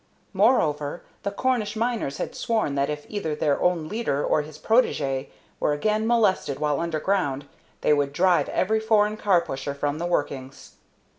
Moreover, the Cornish miners had sworn that if either their own leader or his protégé were again molested while underground they would drive every foreign car pusher from the workings.